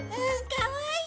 かわいい！